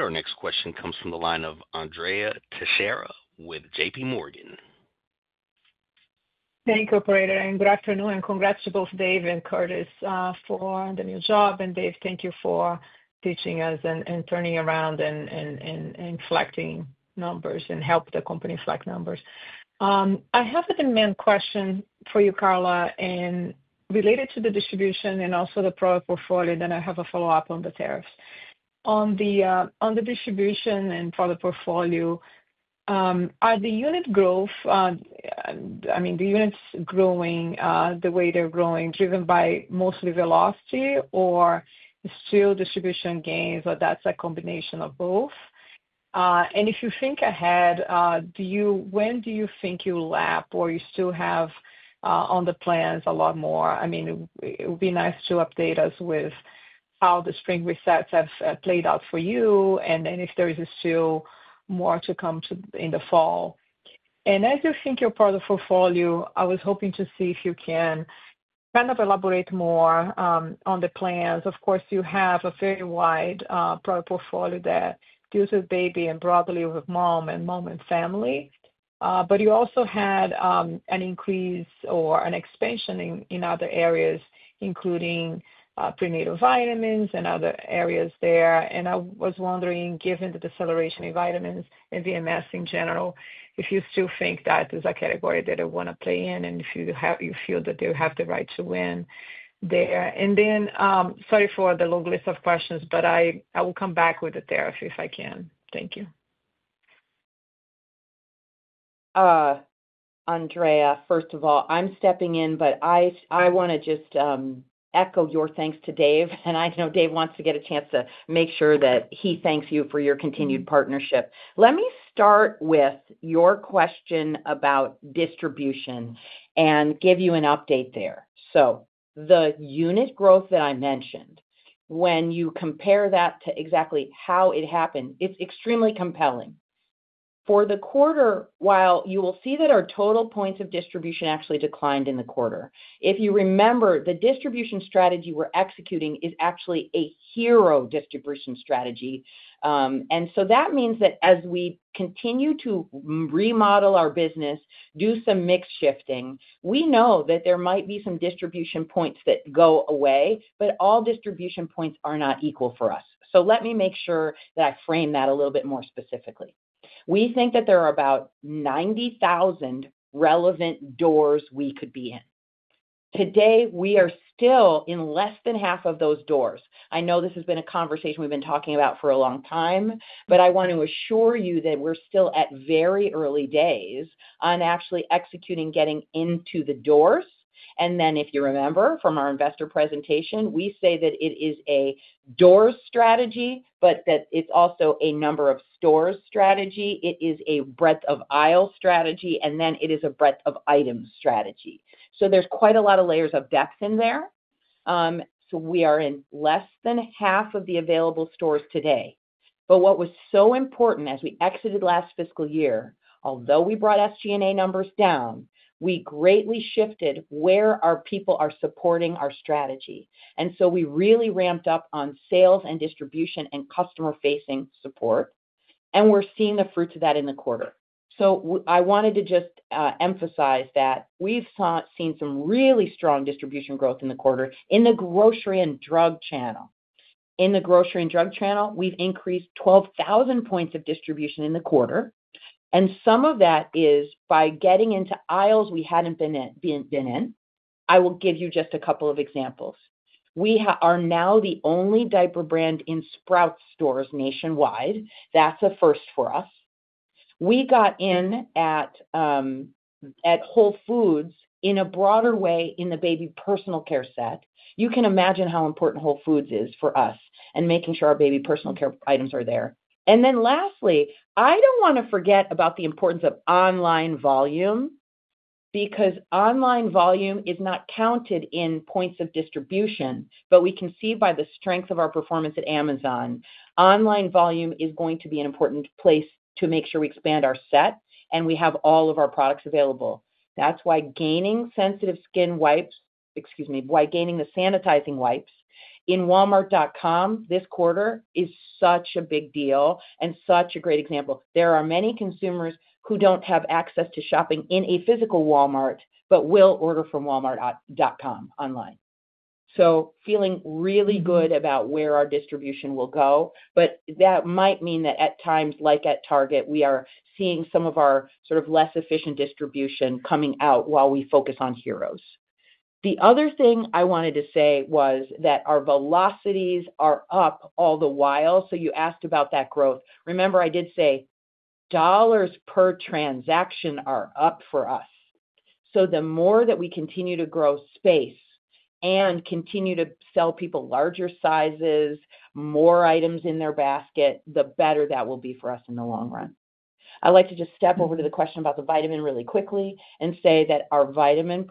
Speaker 1: Our next question comes from the line of Andrea Teixeira with JP Morgan.
Speaker 7: Thank you, Operator. Good afternoon. Congrats to both Dave and Curtiss for the new job. Dave, thank you for teaching us and turning around and flagging numbers and helping the company flag numbers. I have a demand question for you, Carla, related to the distribution and also the product portfolio. I have a follow-up on the tariffs. On the distribution and product portfolio, are the unit growth, I mean, the units growing the way they're growing, driven by mostly velocity or still distribution gains, or that's a combination of both? If you think ahead, when do you think you'll lap or you still have on the plans a lot more? I mean, it would be nice to update us with how the spring resets have played out for you and if there is still more to come in the fall. As you think your product portfolio, I was hoping to see if you can kind of elaborate more on the plans. Of course, you have a very wide product portfolio that deals with baby and broadly with mom and mom and family. You also had an increase or an expansion in other areas, including prenatal vitamins and other areas there. I was wondering, given the deceleration in vitamins and VMS in general, if you still think that is a category that they want to play in and if you feel that they have the right to win there. Sorry for the long list of questions, but I will come back with the tariff if I can. Thank you.
Speaker 3: Andrea, first of all, I'm stepping in, but I want to just echo your thanks to Dave. I know Dave wants to get a chance to make sure that he thanks you for your continued partnership. Let me start with your question about distribution and give you an update there. The unit growth that I mentioned, when you compare that to exactly how it happened, is extremely compelling. For the quarter, while you will see that our total points of distribution actually declined in the quarter, if you remember, the distribution strategy we're executing is actually a hero distribution strategy. That means that as we continue to remodel our business, do some mix shifting, we know that there might be some distribution points that go away, but all distribution points are not equal for us. Let me make sure that I frame that a little bit more specifically. We think that there are about 90,000 relevant doors we could be in. Today, we are still in less than half of those doors. I know this has been a conversation we've been talking about for a long time, but I want to assure you that we're still at very early days on actually executing getting into the doors. If you remember from our investor presentation, we say that it is a door strategy, but that it is also a number of stores strategy. It is a breadth of aisle strategy, and then it is a breadth of items strategy. There is quite a lot of layers of depth in there. We are in less than half of the available stores today. What was so important as we exited last fiscal year, although we brought SG&A numbers down, we greatly shifted where our people are supporting our strategy. We really ramped up on sales and distribution and customer-facing support. We are seeing the fruits of that in the quarter. I wanted to just emphasize that we have seen some really strong distribution growth in the quarter in the grocery and drug channel. In the grocery and drug channel, we've increased 12,000 points of distribution in the quarter. Some of that is by getting into aisles we hadn't been in. I will give you just a couple of examples. We are now the only diaper brand in Sprouts stores nationwide. That's a first for us. We got in at Whole Foods in a broader way in the baby personal care set. You can imagine how important Whole Foods is for us and making sure our baby personal care items are there. Lastly, I don't want to forget about the importance of online volume because online volume is not counted in points of distribution, but we can see by the strength of our performance at Amazon. Online volume is going to be an important place to make sure we expand our set and we have all of our products available. That's why gaining the sanitizing wipes in walmart.com this quarter is such a big deal and such a great example. There are many consumers who don't have access to shopping in a physical Walmart but will order from walmart.com online. I am feeling really good about where our distribution will go. That might mean that at times, like at Target, we are seeing some of our sort of less efficient distribution coming out while we focus on heroes. The other thing I wanted to say was that our velocities are up all the while. You asked about that growth. Remember, I did say dollars per transaction are up for us. The more that we continue to grow space and continue to sell people larger sizes, more items in their basket, the better that will be for us in the long run. I'd like to just step over to the question about the vitamin really quickly and say that our vitamin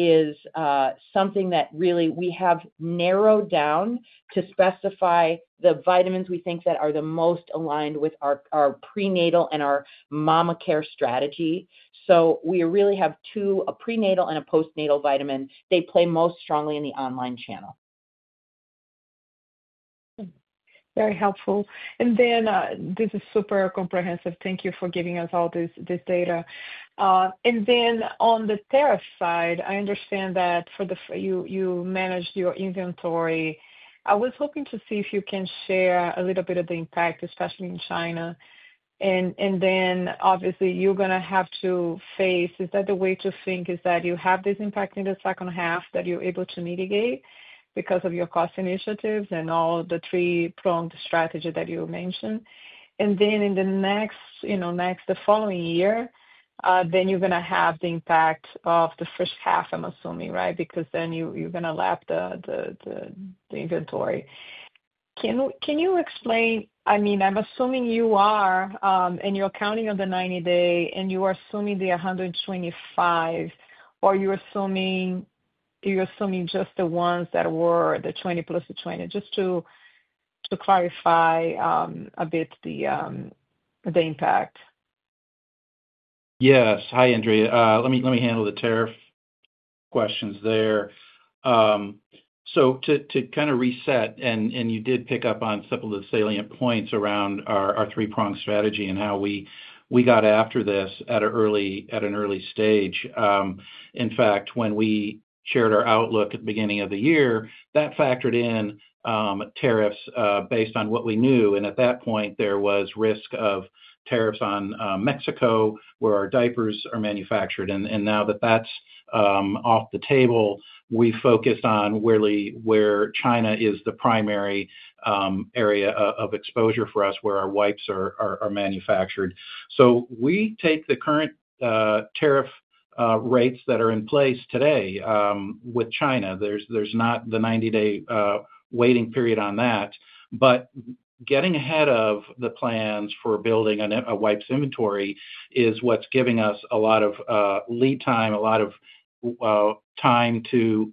Speaker 3: portfolio is something that really we have narrowed down to specify the vitamins we think that are the most aligned with our prenatal and our mama care strategy. So we really have two: a prenatal and a postnatal vitamin. They play most strongly in the online channel.
Speaker 7: Very helpful. This is super comprehensive. Thank you for giving us all this data. On the tariff side, I understand that you managed your inventory. I was hoping to see if you can share a little bit of the impact, especially in China. Obviously, you're going to have to face, is that the way to think, is that you have this impact in the second half that you're able to mitigate because of your cost initiatives and all the three-pronged strategy that you mentioned. In the next following year, then you're going to have the impact of the first half, I'm assuming, right? Because then you're going to lap the inventory. Can you explain? I mean, I'm assuming you are and you're counting on the 90-day, and you are assuming the 125, or you're assuming just the ones that were the 20 plus the 20, just to clarify a bit the impact.
Speaker 4: Yes. Hi, Andrea. Let me handle the tariff questions there. To kind of reset, and you did pick up on some of the salient points around our three-pronged strategy and how we got after this at an early stage. In fact, when we shared our outlook at the beginning of the year, that factored in tariffs based on what we knew. At that point, there was risk of tariffs on Mexico, where our diapers are manufactured. Now that that's off the table, we focused on where China is the primary area of exposure for us, where our wipes are manufactured. We take the current tariff rates that are in place today with China. There's not the 90-day waiting period on that. Getting ahead of the plans for building a wipes inventory is what's giving us a lot of lead time, a lot of time to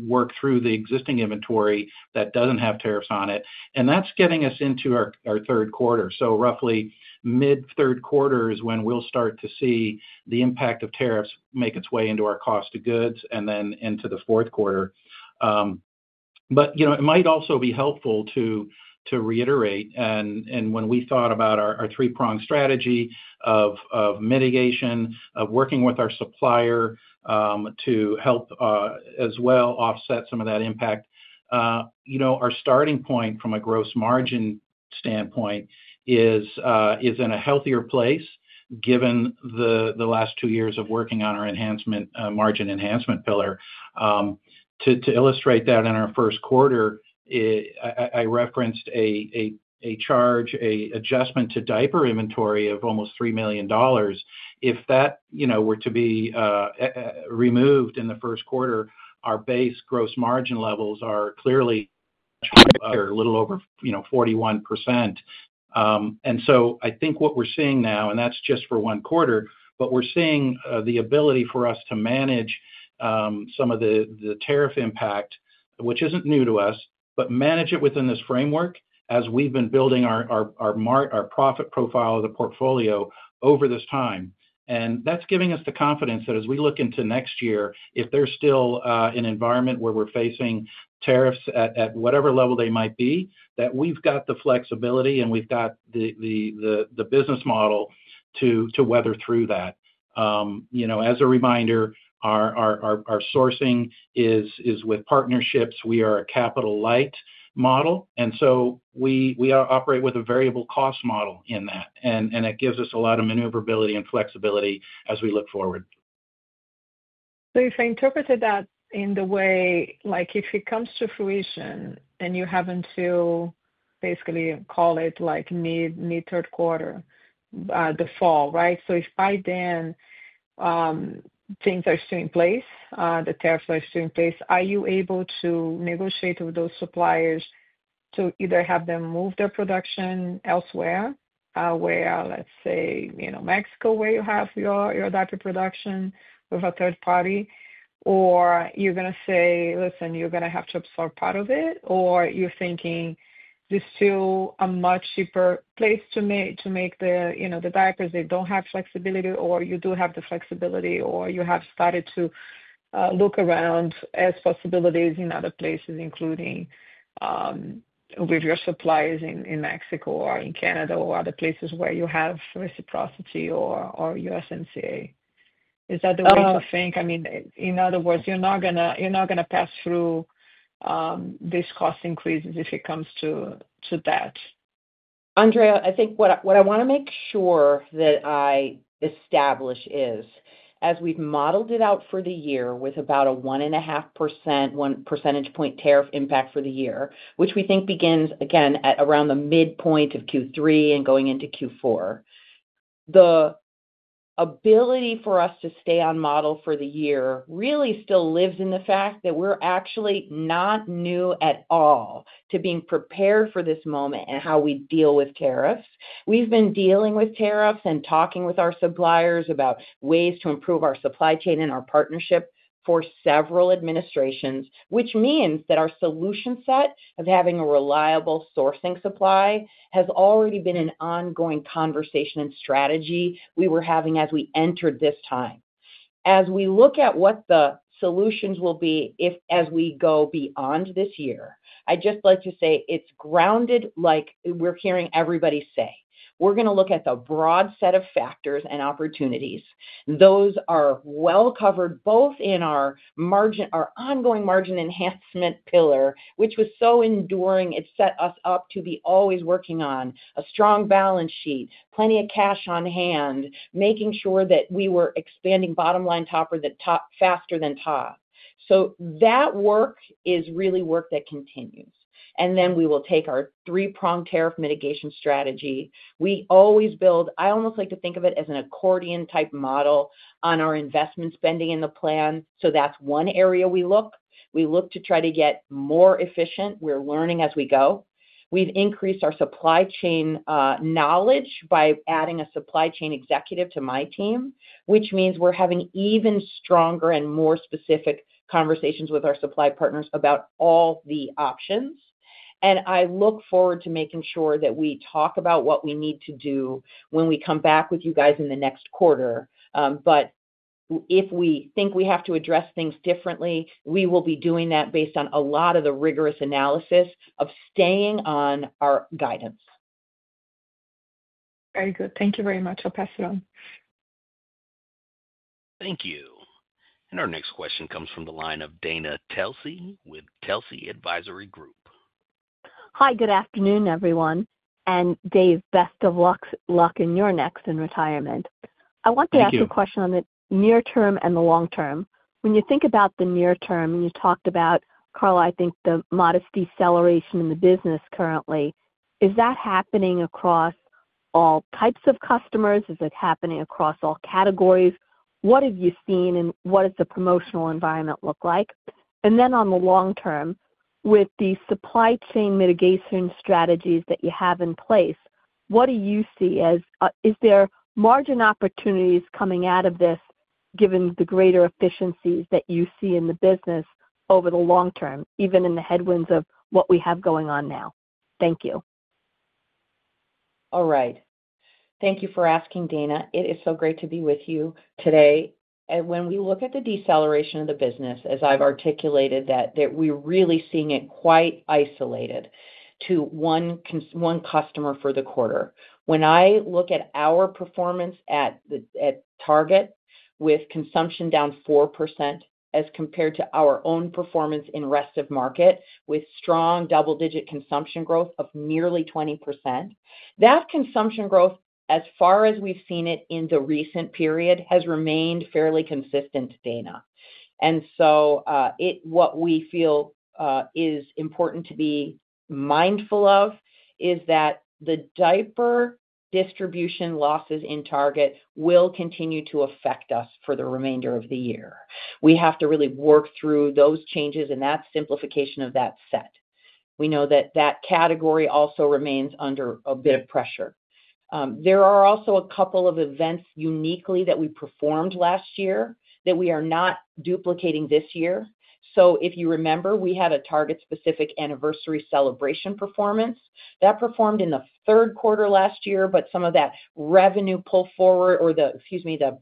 Speaker 4: work through the existing inventory that does not have tariffs on it. That is getting us into our third quarter. Roughly mid-third quarter is when we will start to see the impact of tariffs make its way into our cost of goods and then into the fourth quarter. It might also be helpful to reiterate. When we thought about our three-pronged strategy of mitigation, of working with our supplier to help as well offset some of that impact, our starting point from a gross margin standpoint is in a healthier place given the last two years of working on our margin enhancement pillar. To illustrate that, in our first quarter, I referenced a charge, an adjustment to diaper inventory of almost $3 million. If that were to be removed in the first quarter, our base gross margin levels are clearly much higher, a little over 41%. I think what we're seeing now, and that's just for one quarter, but we're seeing the ability for us to manage some of the tariff impact, which isn't new to us, but manage it within this framework as we've been building our profit profile of the portfolio over this time. That's giving us the confidence that as we look into next year, if there's still an environment where we're facing tariffs at whatever level they might be, we've got the flexibility and we've got the business model to weather through that. As a reminder, our sourcing is with partnerships. We are a capital light model. We operate with a variable cost model in that. It gives us a lot of maneuverability and flexibility as we look forward.
Speaker 7: If I interpreted that in the way like if it comes to fruition and you have to basically call it mid-third quarter, the fall, right? If by then things are still in place, the tariffs are still in place, are you able to negotiate with those suppliers to either have them move their production elsewhere, let's say, Mexico, where you have your diaper production with a third party, or are you going to say, "Listen, you're going to have to absorb part of it," or are you thinking there's still a much cheaper place to make the diapers? They don't have flexibility, or you do have the flexibility, or you have started to look around at possibilities in other places, including with your suppliers in Mexico or in Canada or other places where you have reciprocity or USMCA. Is that the way to think? I mean, in other words, you're not going to pass through these cost increases if it comes to that.
Speaker 3: Andrea, I think what I want to make sure that I establish is, as we've modeled it out for the year with about a 1.5% percentage point tariff impact for the year, which we think begins, again, at around the midpoint of Q3 and going into Q4, the ability for us to stay on model for the year really still lives in the fact that we're actually not new at all to being prepared for this moment and how we deal with tariffs. We've been dealing with tariffs and talking with our suppliers about ways to improve our supply chain and our partnership for several administrations, which means that our solution set of having a reliable sourcing supply has already been an ongoing conversation and strategy we were having as we entered this time. As we look at what the solutions will be as we go beyond this year, I'd just like to say it's grounded like we're hearing everybody say. We're going to look at the broad set of factors and opportunities. Those are well covered both in our ongoing margin enhancement pillar, which was so enduring. It set us up to be always working on a strong balance sheet, plenty of cash on hand, making sure that we were expanding bottom line, or the top faster than top. That work is really work that continues. We will take our three-pronged tariff mitigation strategy. We always build, I almost like to think of it as an accordion-type model on our investment spending in the plan. That is one area we look. We look to try to get more efficient. We are learning as we go. We have increased our supply chain knowledge by adding a supply chain executive to my team, which means we are having even stronger and more specific conversations with our supply partners about all the options. I look forward to making sure that we talk about what we need to do when we come back with you guys in the next quarter. If we think we have to address things differently, we will be doing that based on a lot of the rigorous analysis of staying on our guidance.
Speaker 7: Very good. Thank you very much. I will pass it on. Thank you.
Speaker 1: Our next question comes from the line of Dana Telsey with Telsey Advisory Group.
Speaker 8: Hi, good afternoon, everyone. And Dave, best of luck in your next and retirement. I
Speaker 4: Thank you.
Speaker 8: want to ask you a question on the near term and the long term. When you think about the near term, and you talked about, Carla, I think the modest deceleration in the business currently, is that happening across all types of customers? Is it happening across all categories? What have you seen, and what does the promotional environment look like? On the long term, with the supply chain mitigation strategies that you have in place, what do you see as is there margin opportunities coming out of this given the greater efficiencies that you see in the business over the long term, even in the headwinds of what we have going on now? Thank you.
Speaker 3: All right. Thank you for asking, Dana. It is so great to be with you today. When we look at the deceleration of the business, as I have articulated that, we are really seeing it quite isolated to one customer for the quarter. When I look at our performance at Target with consumption down 4% as compared to our own performance in rest of market with strong double-digit consumption growth of nearly 20%, that consumption growth, as far as we have seen it in the recent period, has remained fairly consistent, Dana. What we feel is important to be mindful of is that the diaper distribution losses in Target will continue to affect us for the remainder of the year. We have to really work through those changes and that simplification of that set. We know that category also remains under a bit of pressure. There are also a couple of events uniquely that we performed last year that we are not duplicating this year. If you remember, we had a Target-specific anniversary celebration performance. That performed in the third quarter last year, but some of that revenue pull forward or the, excuse me, the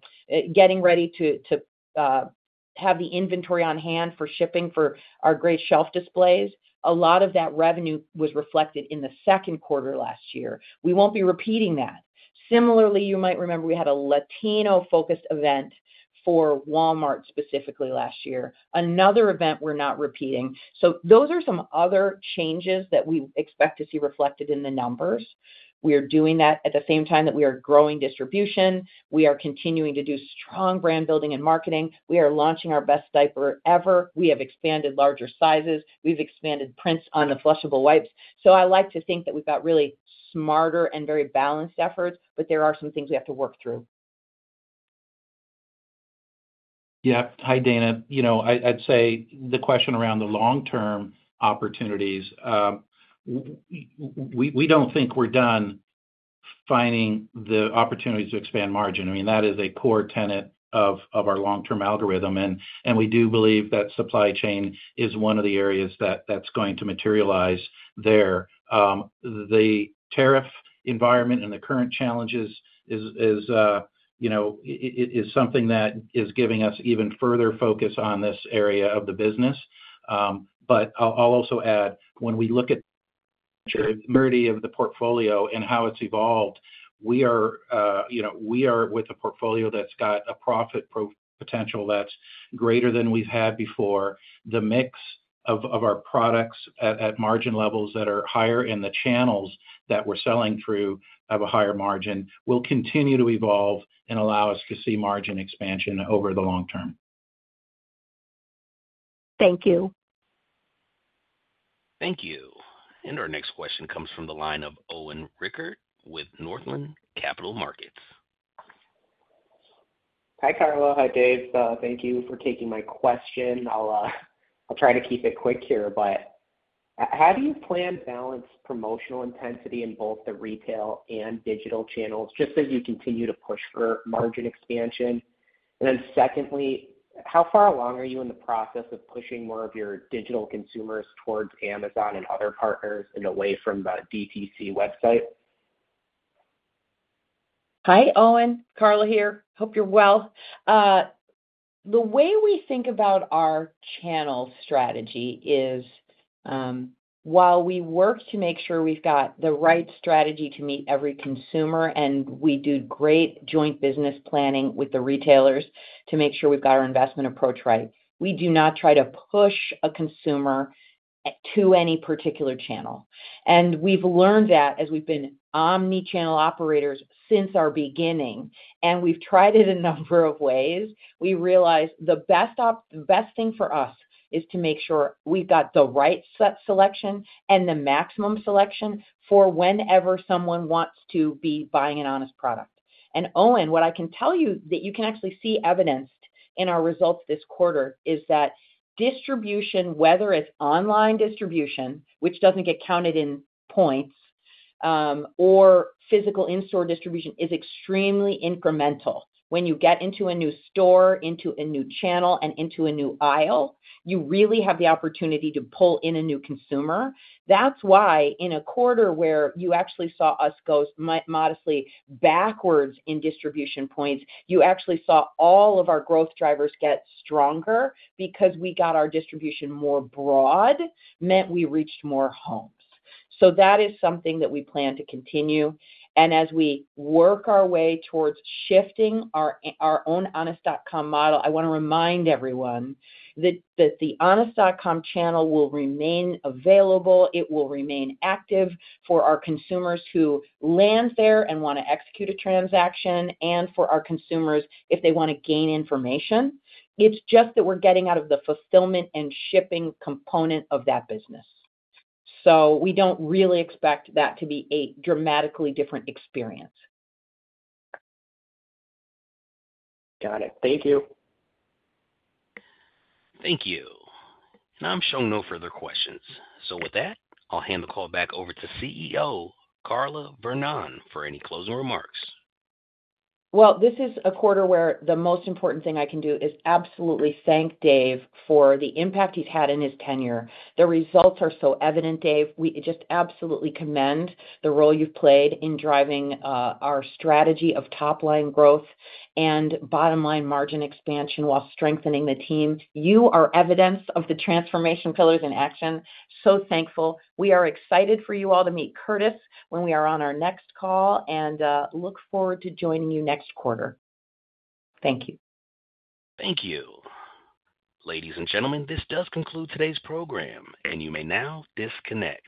Speaker 3: getting ready to have the inventory on hand for shipping for our great shelf displays, a lot of that revenue was reflected in the second quarter last year. We will not be repeating that. Similarly, you might remember we had a Latino-focused event for Walmart specifically last year. Another event we are not repeating. Those are some other changes that we expect to see reflected in the numbers. We are doing that at the same time that we are growing distribution. We are continuing to do strong brand building and marketing. We are launching our best diaper ever. We have expanded larger sizes. We've expanded prints on the flushable wipes. I like to think that we've got really smarter and very balanced efforts, but there are some things we have to work through.
Speaker 4: Yep. Hi, Dana. I'd say the question around the long-term opportunities, we don't think we're done finding the opportunities to expand margin. I mean, that is a core tenet of our long-term algorithm. We do believe that supply chain is one of the areas that's going to materialize there. The tariff environment and the current challenges is something that is giving us even further focus on this area of the business. I'll also add, when we look at the majority of the portfolio and how it's evolved, we are with a portfolio that's got a profit potential that's greater than we've had before. The mix of our products at margin levels that are higher and the channels that we're selling through have a higher margin will continue to evolve and allow us to see margin expansion over the long term.
Speaker 8: Thank you.
Speaker 1: Thank you. Our next question comes from the line of Owen Rickert with Northland Capital Markets.
Speaker 9: Hi, Carla. Hi, Dave. Thank you for taking my question. I'll try to keep it quick here, but how do you plan to balance promotional intensity in both the retail and digital channels just as you continue to push for margin expansion? Then secondly, how far along are you in the process of pushing more of your digital consumers towards Amazon and other partners and away from the DTC website?
Speaker 3: Hi, Owen. Carla here. Hope you're well. The way we think about our channel strategy is, while we work to make sure we've got the right strategy to meet every consumer, and we do great joint business planning with the retailers to make sure we've got our investment approach right, we do not try to push a consumer to any particular channel. We've learned that as we've been omnichannel operators since our beginning, and we've tried it a number of ways, we realized the best thing for us is to make sure we've got the right selection and the maximum selection for whenever someone wants to be buying an Honest product. Owen, what I can tell you that you can actually see evidenced in our results this quarter is that distribution, whether it's online distribution, which doesn't get counted in points, or physical in-store distribution, is extremely incremental. When you get into a new store, into a new channel, and into a new aisle, you really have the opportunity to pull in a new consumer. That is why in a quarter where you actually saw us go modestly backwards in distribution points, you actually saw all of our growth drivers get stronger because we got our distribution more broad, meant we reached more homes. That is something that we plan to continue. As we work our way towards shifting our own honest.com model, I want to remind everyone that the honest.com channel will remain available. It will remain active for our consumers who land there and want to execute a transaction and for our consumers if they want to gain information. It is just that we are getting out of the fulfillment and shipping component of that business. We do not really expect that to be a dramatically different experience.
Speaker 9: Got it. Thank you.
Speaker 1: Thank you. I am showing no further questions. With that, I will hand the call back over to CEO Carla Vernon for any closing remarks.
Speaker 3: This is a quarter where the most important thing I can do is absolutely thank Dave for the impact he has had in his tenure. The results are so evident, Dave. We just absolutely commend the role you have played in driving our strategy of top-line growth and bottom-line margin expansion while strengthening the team. You are evidence of the transformation pillars in action. So thankful. We are excited for you all to meet Curtiss when we are on our next call and look forward to joining you next quarter. Thank you.
Speaker 1: Thank you. Ladies and gentlemen, this does conclude today's program, and you may now disconnect.